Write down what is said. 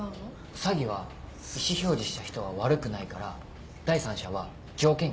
詐欺は意思表示した人は悪くないから第三者は条件がきつくなるんだよ。